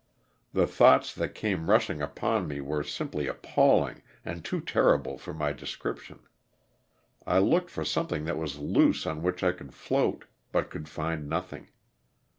The thoughts that came rushing upon me were simply appalling and too terrible for my description. I looked for something that was loose on which I could float but could find nothing.